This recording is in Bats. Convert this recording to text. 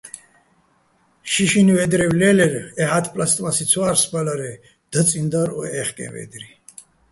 შიშინ ვე́დრევ ლე́ლერ, ეჰ̦ა́თ პლასტმასი ცო ა́რსბალარე, დაწიჼ დარ ო ჺეჰკეჼ ვე́დრი.